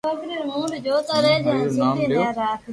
ھون ھري رو نوم ليو